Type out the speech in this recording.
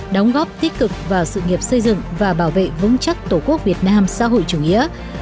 đóng góp tích cực vào sự nghiệp xây dựng và bảo vệ vững chắc tổ quốc việt nam xã hội chủ nghĩa